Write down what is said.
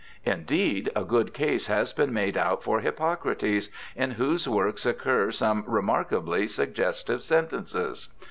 Indeed, a good case has been made out for Hippocrates, in whose works occur some remarkably suggestive sen tences.